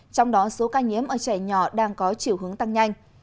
trong đó số ca nhiễm ở trẻ nhỏ đang có chiều hướng tăng nhanh